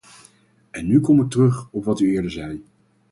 En nu kom ik terug op wat u eerder zei.